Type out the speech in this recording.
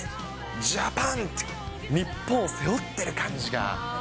ジャパンって、日本を背負ってる感じが。